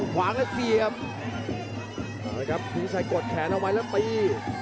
ขวางแล้วเสียบเอาเลยครับพี่ชัยกดแขนออกมาแล้วไป